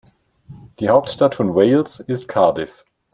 Die Hauptstadt von Wales ist Cardiff.